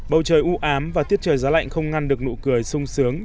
bầu trời ưu ám và tiết trời giá lạnh không ngăn được nụ cười sung sướng